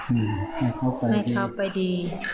อืมให้เข้าไปดี